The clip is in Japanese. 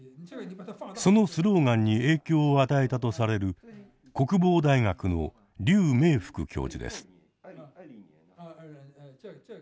そのスローガンに影響を与えたとされる国防大学の劉明福教授です。